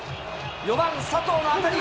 ４番佐藤の当たり。